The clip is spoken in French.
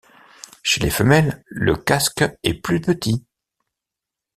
Chez les femelles, le casque est plus petit.